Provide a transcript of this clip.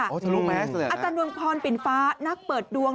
อัตราดวงพรปินฟ้านักเปิดดวง